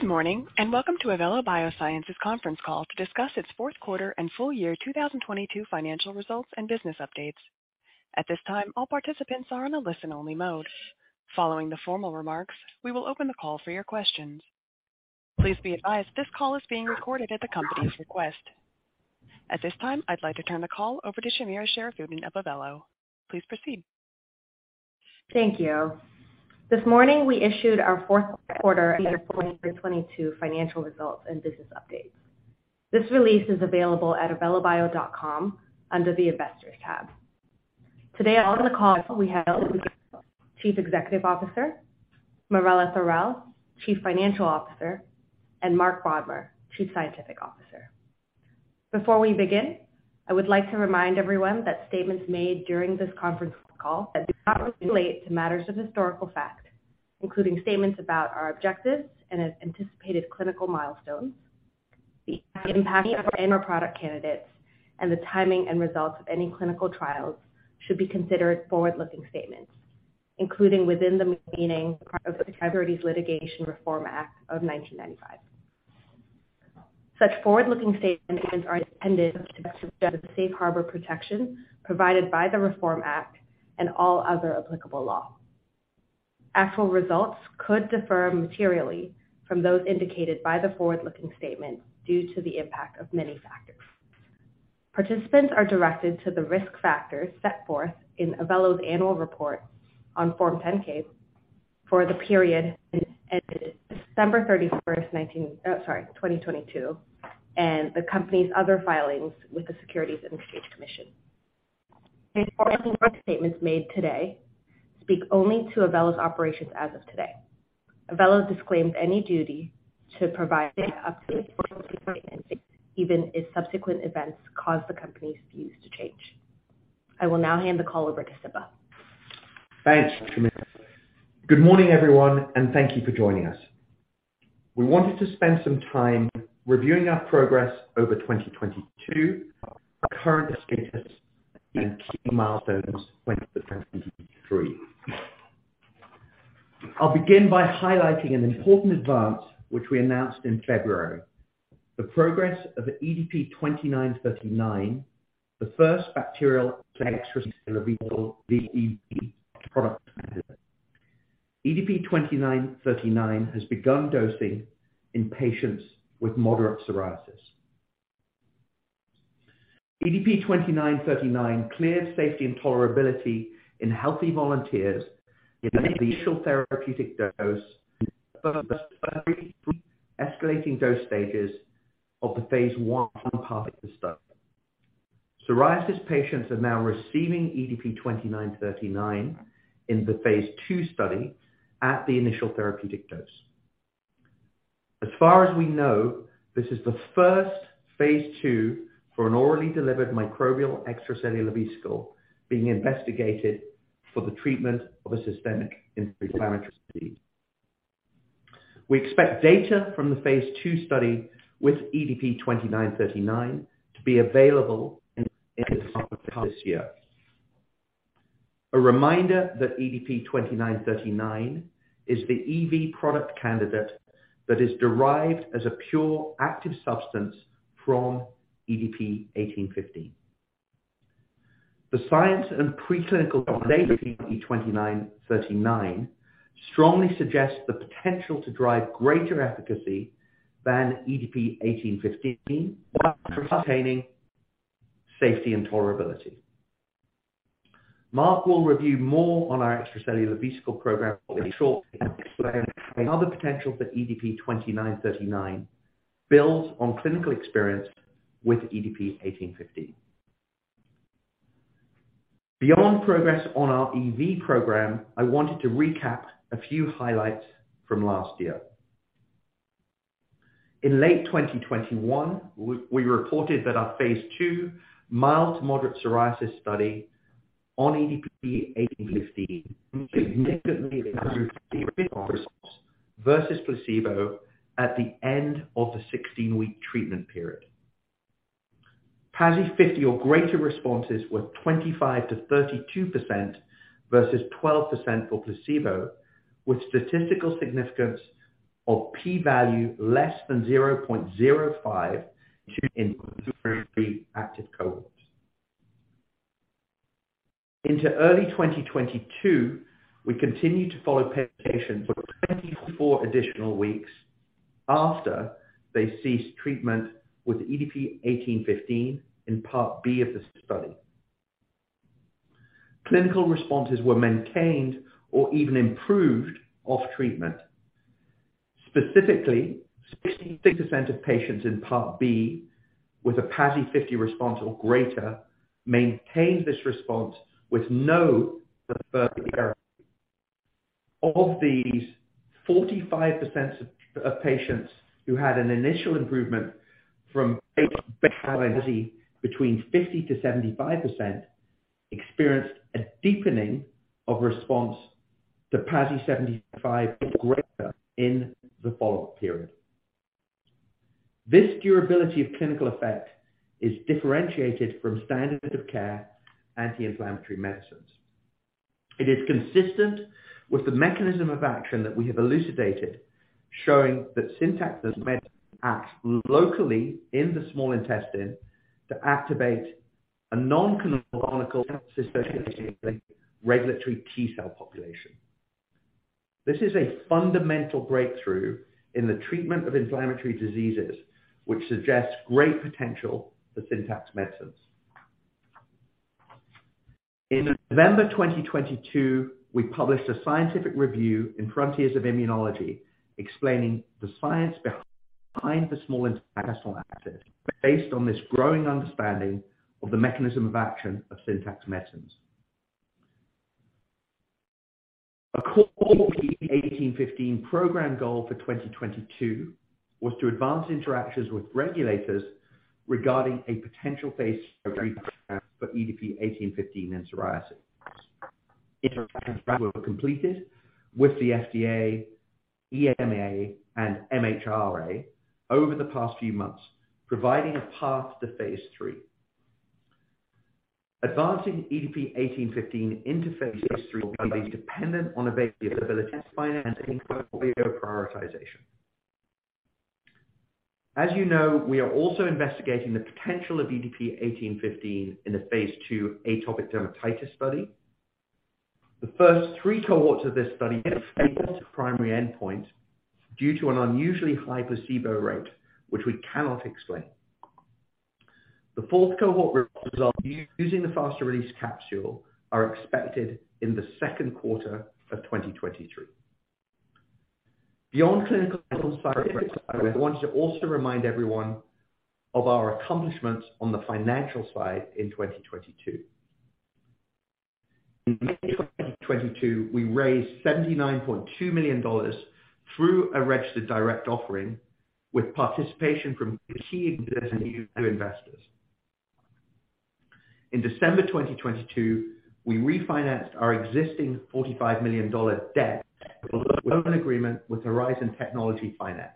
Good morning, welcome to Evelo Biosciences conference call to discuss its fourth quarter and full year 2022 financial results and business updates. At this time, all participants are on a listen-only mode. Following the formal remarks, we will open the call for your questions. Please be advised this call is being recorded at the company's request. At this time, I'd like to turn the call over to Shamira Shariffudin of Evelo. Please proceed. Thank you. This morning, we issued our fourth quarter and year 2022 financial results and business updates. This release is available at evelobio.com under the Investors tab. Today on the call we have This durability of clinical effect is differentiated from standard of care anti-inflammatory medicines. It is consistent with the mechanism of action that we have elucidated, showing that SINTAX medicine acts locally in the small intestine to activate a non-canonical regulatory T cell population. This is a fundamental breakthrough in the treatment of inflammatory diseases, which suggests great potential for SINTAX medicines. In November 2022, we published a scientific review in Frontiers in Immunology, explaining the science behind the small intestinal axis based on this growing understanding of the mechanism of action of SINTAX medicines. A core EDP1815 program goal for 2022 was to advance interactions with regulators regarding a potential phase 3 program for EDP1815 in psoriasis. Interactions were completed with the FDA, EMA, and MHRA over the past few months, providing a path to phase 3. Advancing EDP1815 into Phase 3 will be dependent on availability, financing, portfolio prioritization. As you know, we are also investigating the potential of EDP1815 in a Phase 2 atopic dermatitis study. The first 3 cohorts of this study missed the primary endpoint due to an unusually high placebo rate, which we cannot explain. The 4th cohort results using the faster release capsule are expected in the second quarter of 2023. Beyond clinical scientific side, I want to also remind everyone of our accomplishments on the financial side in 2022. In May 2022, we raised $79.2 million through a registered direct offering with participation from key existing and new investors. In December 2022, we refinanced our existing $45 million debt with a loan agreement with Horizon Technology Finance.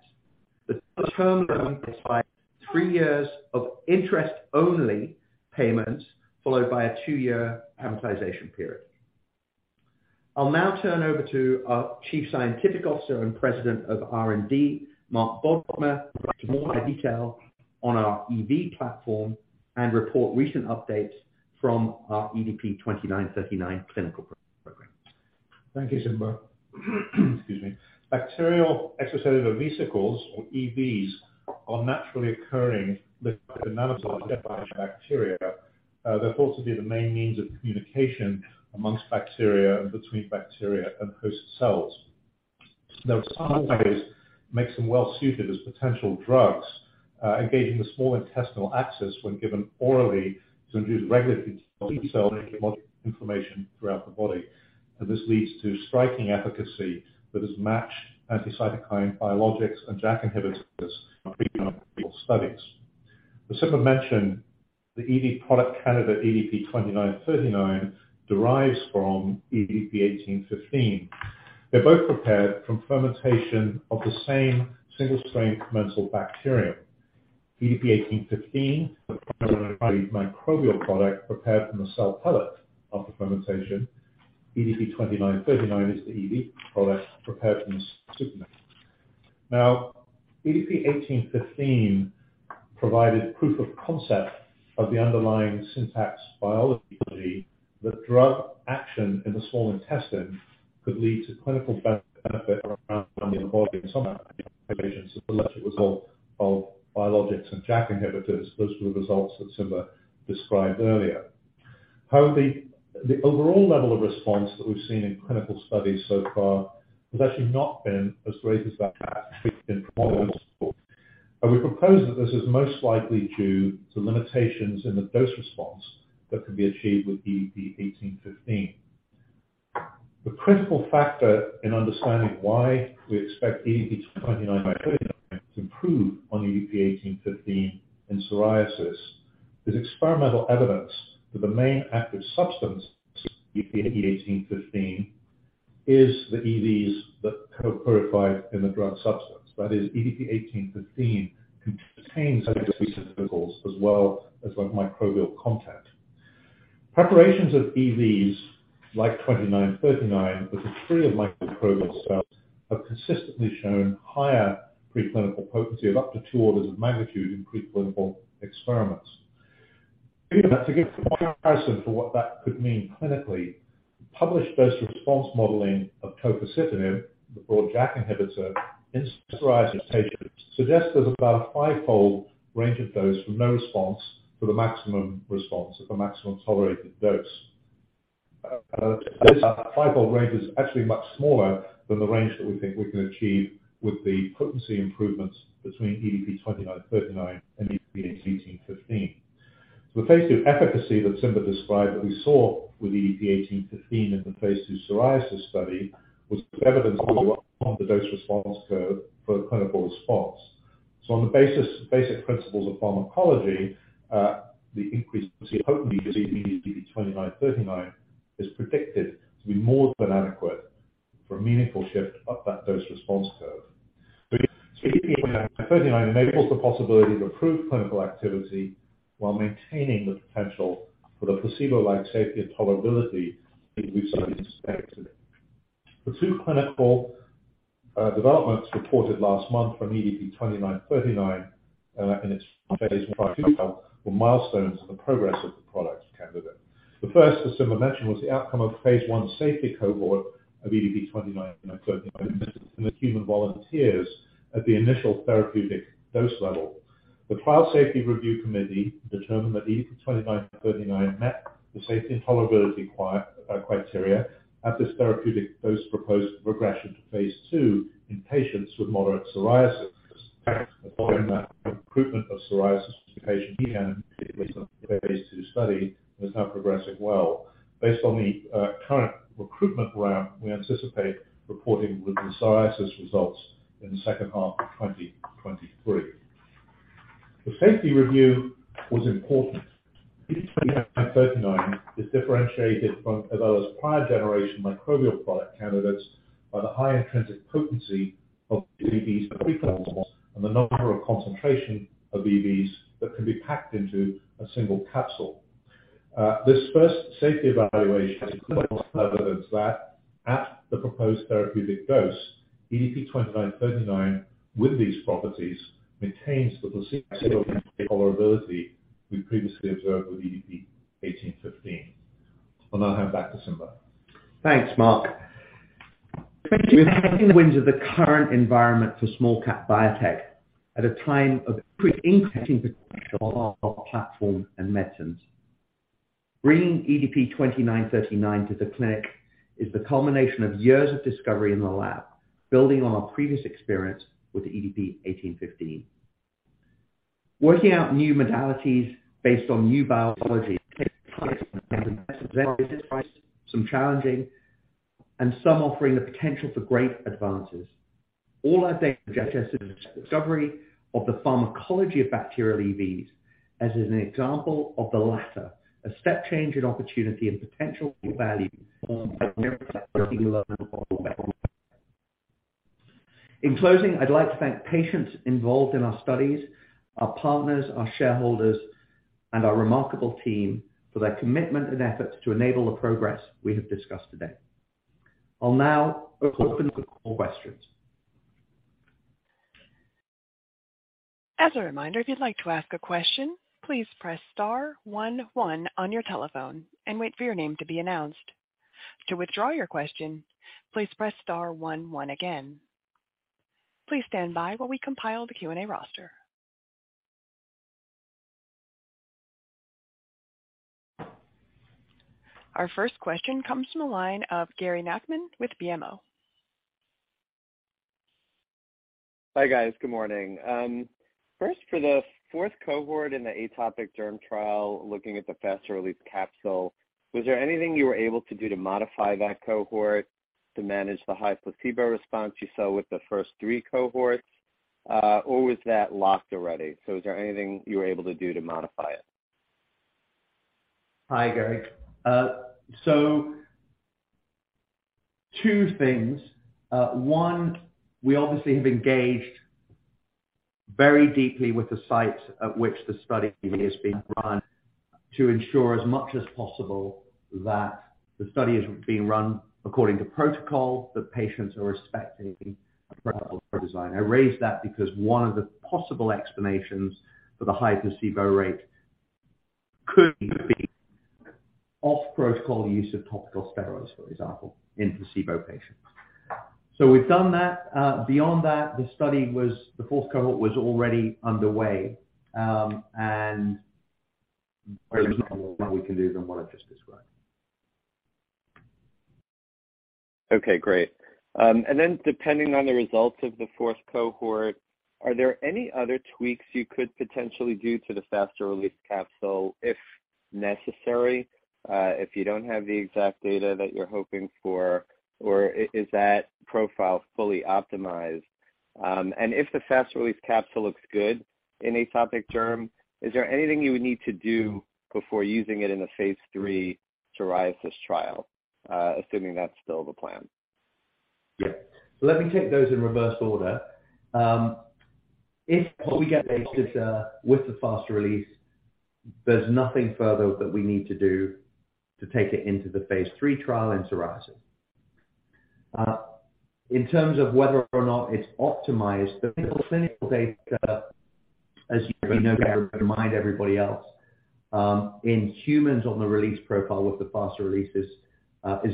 The term loan is by three years of interest-only payments, followed by a two-year amortization period. I'll now turn over to our Chief Scientific Officer and President of R&D, Mark Bodmer, to provide detail on our EV platform and report recent updates from our EDP2939 clinical programs. Thank you, Simba. Excuse me. Bacterial extracellular vesicles, or EVs, are naturally occurring lipid nanostructures by bacteria. They're thought to be the main means of communication amongst bacteria and between bacteria and host cells. Now, in some ways, makes them well-suited as potential drugs, engaging the small intestinal axis when given orally to induce regulatory T cell and immunologic inflammation throughout the body. This leads to striking efficacy that has matched anti-cytokine biologics and JAK inhibitors in preclinical studies. As Simba mentioned, the EV product candidate, EDP2939, derives from EDP1815. They're both prepared from fermentation of the same single-strain commensal bacteria. EDP1815, a microbial product prepared from the cell pellet of the fermentation. EDP2939 is the EV product prepared from supernatant. EDP1815 provided proof of concept of the underlying SINTAX biology, that drug action in the small intestine could lead to clinical benefit around the body in some applications, as well as a result of biologics and JAK inhibitors. Those were the results that Simba described earlier. The overall level of response that we've seen in clinical studies so far has actually not been as great as that had been promised. We propose that this is most likely due to limitations in the dose response that can be achieved with EDP1815. The critical factor in understanding why we expect EDP2939 to improve on EDP1815 in psoriasis is experimental evidence that the main active substance in EDP1815 is the EVs that co-purified in the drug substance. That is EDP1815 contains extracellular vesicles as well as the microbial content. Preparations of EVs like EDP2939 with the free of microbial cells have consistently shown higher preclinical potency of up to two orders of magnitude in preclinical experiments. To give some comparison for what that could mean clinically, published dose-response modeling of tofacitinib, the broad JAK inhibitor in psoriasis patients, suggests there's about a five-fold range of dose from no response to the maximum response at the maximum tolerated dose. This five-fold range is actually much smaller than the range that we think we can achieve with the potency improvements between EDP2939 and EDP1815. The Phase 2 efficacy that Simba described that we saw with EDP1815 in the Phase 2 psoriasis study was evidence of the dose-response curve for clinical response. On the basic principles of pharmacology, the increased potency of hopefully just EDP2939 is predicted to be more than adequate for a meaningful shift up that dose response curve. EDP2939 enables the possibility of improved clinical activity while maintaining the potential for the placebo-like safety and tolerability in recent studies expected. The two clinical developments reported last month from EDP2939 in its phase 1 trial were milestones in the progress of the product candidate. The first, as Simba mentioned, was the outcome of phase 1 safety cohort of EDP2939 in the human volunteers at the initial therapeutic dose level. The Trial Safety Review Committee determined that EDP2939 met the safety and tolerability criteria at this therapeutic dose proposed progression to phase 2 in patients with moderate psoriasis. recruitment of psoriasis patients began recently in the phase 2 study and is now progressing well. Based on the current recruitment ramp, we anticipate reporting with the psoriasis results in the second half of 2023. The safety review was important. EDP2939 is differentiated from Evelo's prior generation microbial product candidates by the high intrinsic potency of EVs and the number of concentration of EVs that can be packed into a single capsule. This first safety evaluation is clinical evidence that at the proposed therapeutic dose, EDP2939, with these properties, maintains the placebo-like tolerability we previously observed with EDP1815. I'll now hand back to Simba. Thanks, Mark. The current environment for small cap biotech at a time of increasing potential platform and medicines. Bringing EDP2939 to the clinic is the culmination of years of discovery in the lab, building on our previous experience with EDP1815. Working out new modalities based on new biology. Some challenging and some offering the potential for great advances. All our data suggested discovery of the pharmacology of bacterial EVs as an example of the latter, a step change in opportunity and potential value. In closing, I'd like to thank patients involved in our studies, our partners, our shareholders, and our remarkable team for their commitment and efforts to enable the progress we have discussed today. I'll now open for questions. As a reminder, if you'd like to ask a question, please press star one one on your telephone and wait for your name to be announced. To withdraw your question, please press star one one again. Please stand by while we compile the Q&A roster. Our first question comes from the line of Gary Nachman with BMO. Hi, guys. Good morning. first for the fourth cohort in the atopic derm trial, looking at the faster release capsule, was there anything you were able to do to modify that cohort to manage the high placebo response you saw with the first three cohorts, or was that locked already? Is there anything you were able to do to modify it? Hi, Gary. Two things. One, we obviously have engaged very deeply with the site at which the study is being run to ensure as much as possible that the study is being run according to protocol, that patients are respecting the protocol design. I raise that because one of the possible explanations for the high placebo rate could be off-protocol use of topical steroids, for example, in placebo patients. We've done that. Beyond that, the fourth cohort was already underway, and there's not a lot more we can do than what I've just described. Okay, great. Depending on the results of the fourth cohort, are there any other tweaks you could potentially do to the faster release capsule if necessary, if you don't have the exact data that you're hoping for, or is that profile fully optimized? If the fast release capsule looks good in atopic derm, is there anything you would need to do before using it in a phase three psoriasis trial, assuming that's still the plan? Yeah. Let me take those in reverse order. If what we get with the faster release, there's nothing further that we need to do to take it into the phase 3 trial in psoriasis. In terms of whether or not it's optimized, the clinical data, as you know, I remind everybody else, in humans on the release profile with the faster release is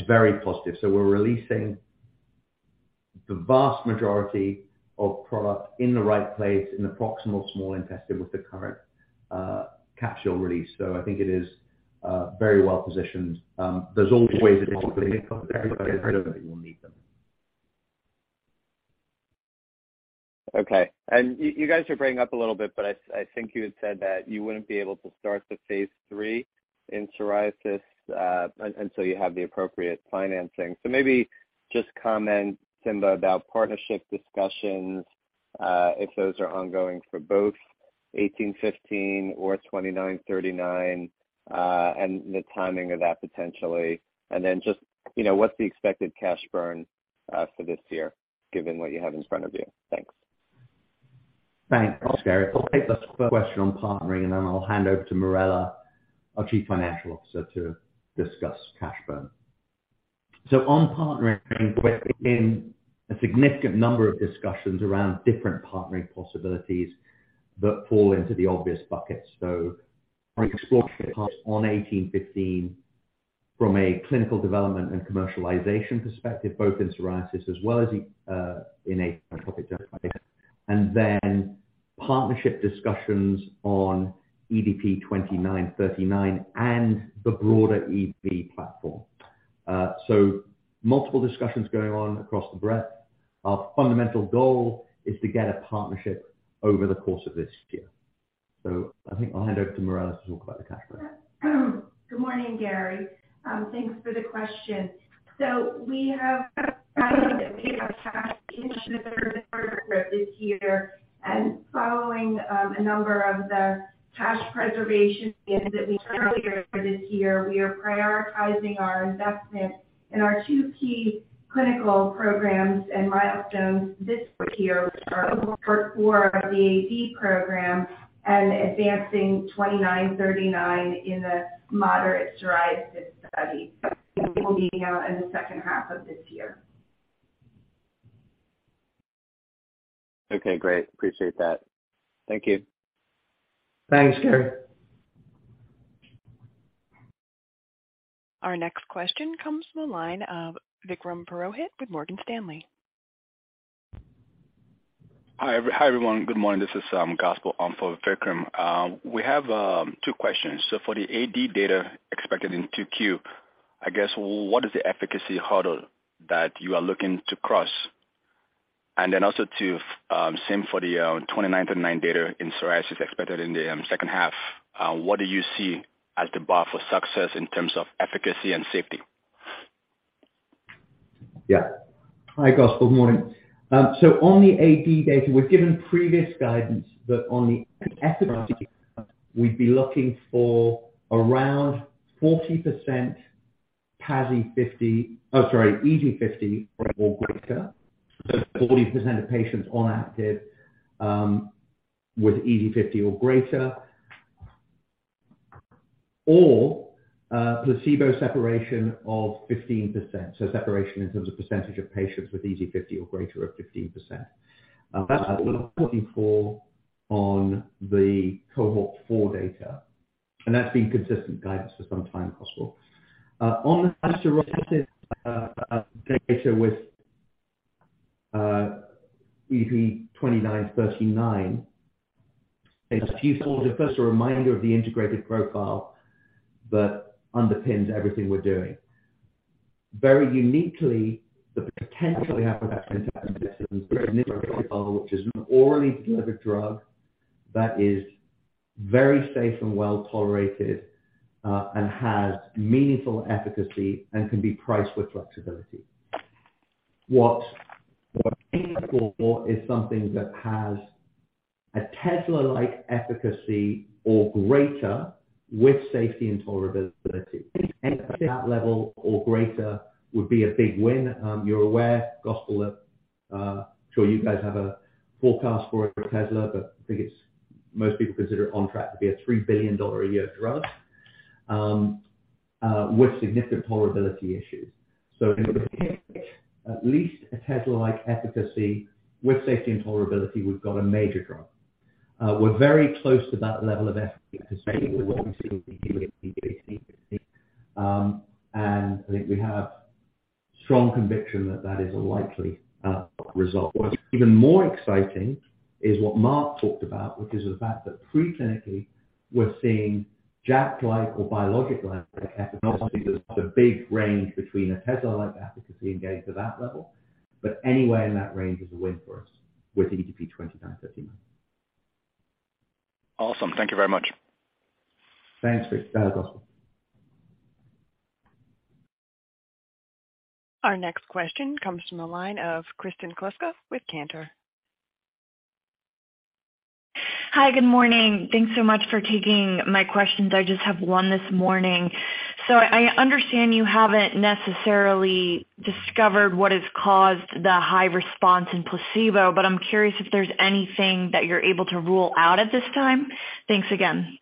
very positive. We're releasing the vast majority of product in the right place in the proximal small intestine with the current capsule release. I think it is very well-positioned. There's always ways to optimize, but I don't think we'll need them. Okay. You guys are breaking up a little bit, but I think you had said that you wouldn't be able to start the phase 3 in psoriasis until you have the appropriate financing. Maybe just comment, Simba, about partnership discussions, if those are ongoing for both... EDP1815 or EDP2939, and the timing of that potentially. Just, you know, what's the expected cash burn for this year, given what you have in front of you? Thanks. Thanks, Gary. I'll take the first question on partnering. Then I'll hand over to Marela, our Chief Financial Officer, to discuss cash burn. On partnering, we're in a significant number of discussions around different partnering possibilities that fall into the obvious buckets. Our exploration on EDP1815 from a clinical development and commercialization perspective, both in psoriasis as well as in atopic dermatitis. Then partnership discussions on EDP2939 and the broader EV platform. Multiple discussions going on across the breadth. Our fundamental goal is to get a partnership over the course of this year. I think I'll hand over to Marela to talk about the cash burn. Good morning, Gary. Thanks for the question. We have this year and following, a number of the cash preservation that we earlier this year, we are prioritizing our investment in our two key clinical programs and milestones this year, which are for our AD program and advancing EDP2939 in a moderate psoriasis study. We'll be out in the second half of this year. Okay, great. Appreciate that. Thank you. Thanks, Gary. Our next question comes from the line of Vikram Purohit with Morgan Stanley. Hi, everyone. Good morning. This is Gospel for Vikram. We have 2 questions. For the AD data expected in 2Q, I guess what is the efficacy hurdle that you are looking to cross? Also to same for the EDP2939 data in psoriasis expected in the second half, what do you see as the bar for success in terms of efficacy and safety? Yeah. Hi, Gospel. Good morning. On the AD data, we've given previous guidance that on the efficacy we'd be looking for around 40% PASI 50, oh, sorry, EASI-50 or greater. 40% of patients on active with EASI-50 or greater or placebo separation of 15%. Separation in terms of percentage of patients with EASI-50 or greater of 15%. That's what we're looking for on the cohort 4 data, and that's been consistent guidance for some time, Gospel. On the psoriasis data with EDP2939, it's useful to first a reminder of the integrated profile that underpins everything we're doing. Very uniquely, the potential we have for that which is an orally delivered drug that is very safe and well tolerated, has meaningful efficacy and can be priced with flexibility. What we're aiming for is something that has Otezla-like efficacy or greater with safety and tolerability. Anything at that level or greater would be a big win. You're aware, Gospel, that I'm sure you guys have a forecast for it for Otezla, but I think it's most people consider it on track to be a $3 billion a year drug with significant tolerability issues. If we can get at least an Otezla-like efficacy with safety and tolerability, we've got a major drug. We're very close to that level of efficacy with what we see with EGY fifty. I think we have strong conviction that that is a likely result. What's even more exciting is what Mark Bodmer talked about, which is the fact that preclinically we're seeing JAK-like or biological efficacy. There's a big range between a Otezla-like efficacy and getting to that level. Anywhere in that range is a win for us with EDP2939. Awesome. Thank you very much. Thanks, Gospel. Our next question comes from the line of Kristen Kluska with Cantor. Hi. Good morning. Thanks so much for taking my questions. I just have one this morning. I understand you haven't necessarily discovered what has caused the high response in placebo, but I'm curious if there's anything that you're able to rule out at this time. Thanks again.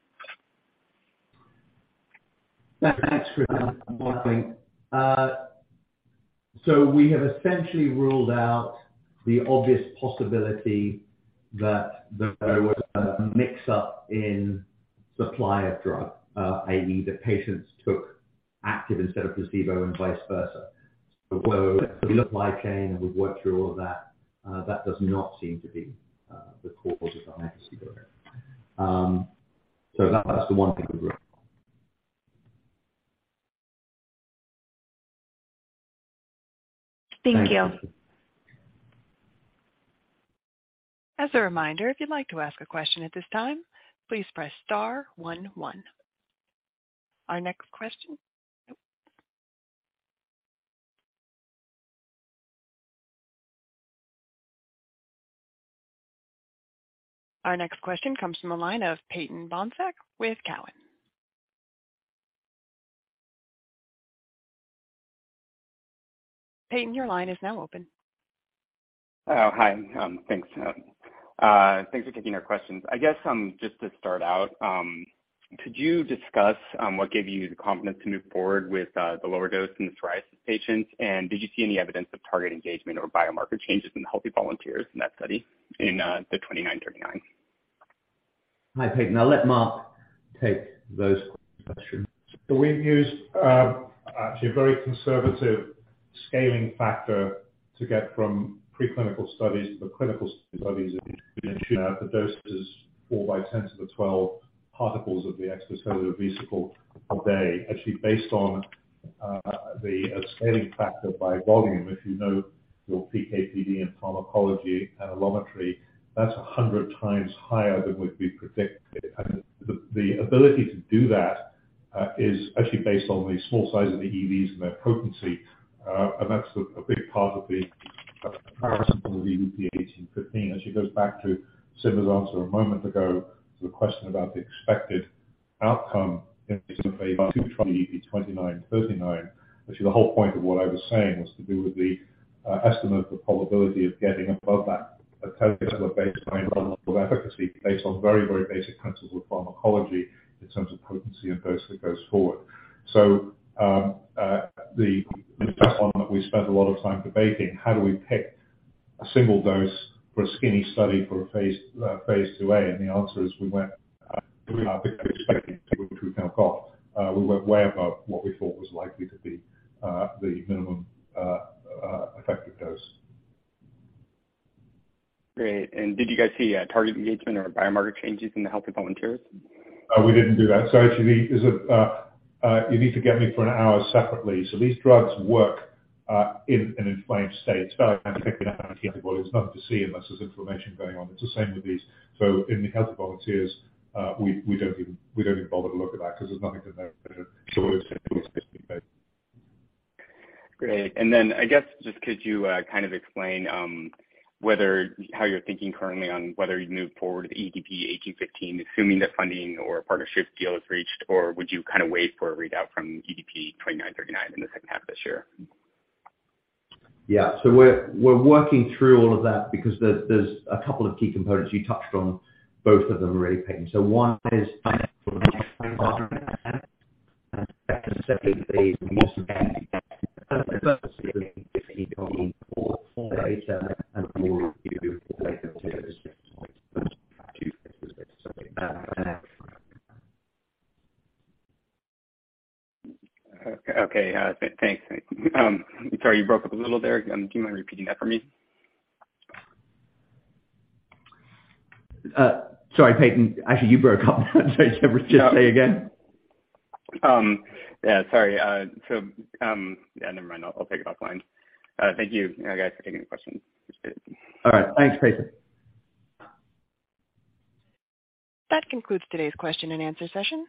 Thanks, Kristin. Good morning. We have essentially ruled out the obvious possibility that there was a mix-up in supply of drug, i.e., the patients took active instead of placebo and vice versa. We looked like, and we've worked through all of that does not seem to be the cause of the efficacy barrier. That's the one thing we ruled out. Thank you. As a reminder, if you'd like to ask a question at this time, please press star one one. Our next question comes from the line of Phil Nadeau with Cowen. Peyton, your line is now open. Oh, hi. Thanks. Thanks for taking our questions. I guess, just to start out, could you discuss what gave you the confidence to move forward with the lower dose in the psoriasis patients? Did you see any evidence of target engagement or biomarker changes in healthy volunteers in that study in the 2939? Hi, Phil Nadeau. I'll let Mark take those questions. We've used actually a very conservative scaling factor to get from preclinical studies to the clinical studies. The doses fall by 10 to the 12 particles of the extracellular vesicle a day. Actually, based on the scaling factor by volume, if you know your PKPD and pharmacology and allometry, that's 100 times higher than would be predicted. The ability to do that is actually based on the small size of the EVs and their potency. That's a big part of the power of EDP1815. Actually goes back to Simba’s answer a moment ago to the question about the expected outcome in phase 2 trial EDP2939, which is the whole point of what I was saying, was to do with the estimate of the probability of getting above that baseline level of efficacy based on very, very basic principles of pharmacology in terms of potency and dose that goes forward. The first one that we spent a lot of time debating, how do we pick a single dose for a skinny study for a phase 2a? And the answer is we went, we were a bit expected to count off. We went way above what we thought was likely to be the minimum effective dose. Great. Did you guys see target engagement or biomarker changes in the healthy volunteers? We didn't do that. Actually, is it, you need to get me for an hour separately. These drugs work in an inflamed state. It's about anti-inflammatory antibody. There's nothing to see unless there's inflammation going on. It's the same with these. In the healthy volunteers, we don't even bother to look at that 'cause there's nothing to know. Great. I guess, just could you kind of explain whether how you're thinking currently on whether you'd move forward with EDP1815, assuming that funding or a partnership deal is reached, or would you kinda wait for a readout from EDP2939 in the second half of this year? We're working through all of that because there's a couple of key components. You touched on both of them really, Peyton. One is financial. Okay, thanks. Sorry, you broke up a little there. Do you mind repeating that for me? Sorry, Peyton. Actually, you broke up. If you could just say again. Yeah, sorry. Yeah, never mind. I'll take it offline. Thank you, guys, for taking the questions. All right. Thanks, Peyton. That concludes today's question and answer session.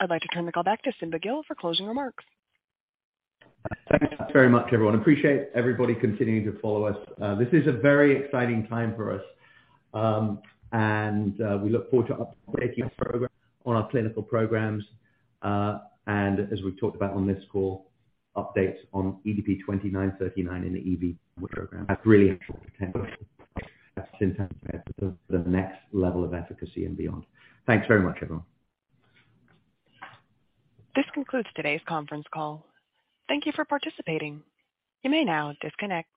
I'd like to turn the call back to Simba Gill for closing remarks. Thanks very much, everyone. Appreciate everybody continuing to follow us. This is a very exciting time for us. We look forward to updating our program on our clinical programs, and as we've talked about on this call, updates on EDP2939 and the EV program. That's really important. That's the next level of efficacy and beyond. Thanks very much, everyone. This concludes today's conference call. Thank you for participating. You may now disconnect.